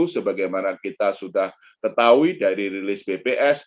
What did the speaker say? sebagaimana kita sudah ketahui dari rilis bps